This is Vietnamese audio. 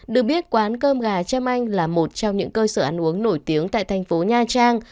được biết quán cơm gà trâm anh là một trong những cơ sở ăn uống nổi tiếng tại thành phố nha trang